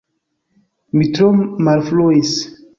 Mi tro malfruis!